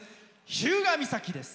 「日向岬」です。